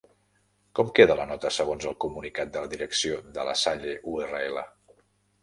Com queda la nota segons el comunicat de la direcció de La Salle-URL?